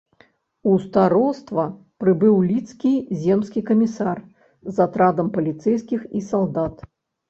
У староства прыбыў лідскі земскі камісар з атрадам паліцэйскіх і салдат.